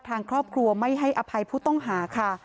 ทางครอบครัวไม่ให้อภัยผู้ต้องหาค่ะ